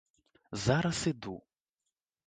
- Зараз iду.